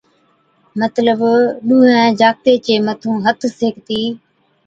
مطلب ڏُونَھين جاکَتي چي مَٿُون ھٿ سيڪتِي